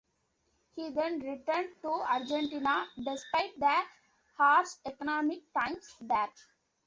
He then returned to Argentina, despite the harsh economic times there.